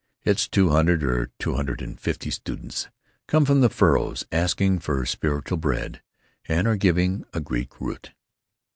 Its two hundred or two hundred and fifty students come from the furrows, asking for spiritual bread, and are given a Greek root.